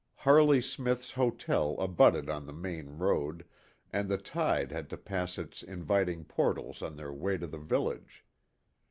Harley Smith's hotel abutted on the main road, and the tide had to pass its inviting portals on their way to the village.